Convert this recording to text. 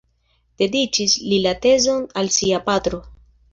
Dediĉis li la tezon al sia patro.